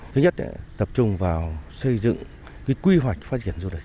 thứ nhất tập trung vào xây dựng quy hoạch phát triển du lịch